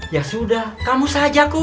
ya sudah kamu saja kum